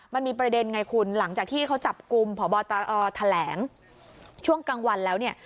มันมีประเด็นไงคุณหลังจากที่เขาจับกลุ่มพบตรแถลงช่วงกลางวันแล้วเนี่ย